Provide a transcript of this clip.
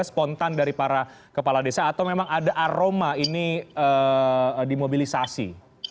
spontan dari para kepala desa atau memang ada aroma ini dimobilisasi